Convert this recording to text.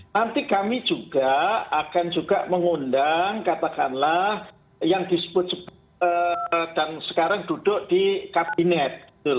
nanti kami juga akan juga mengundang katakanlah yang disebut sebut dan sekarang duduk di kabinet